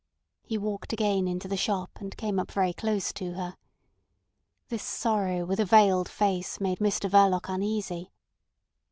He walked again into the shop, and came up very close to her. This sorrow with a veiled face made Mr Verloc uneasy.